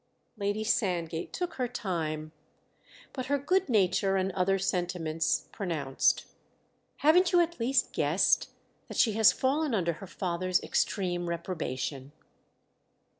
Lady Sandgate took her time, but her good nature and other sentiments pronounced. "Haven't you at least guessed that she has fallen under her father's extreme reprobation?"